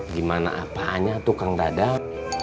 gimana apaannya tukang dadam